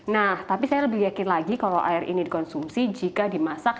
nah tapi saya lebih yakin lagi kalau air ini dikonsumsi jika dimasak